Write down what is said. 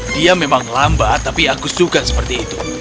dia memang lambat tapi aku suka seperti itu